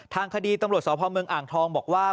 ทางคดีตำรวจสพเมืองอ่างทองบอกว่า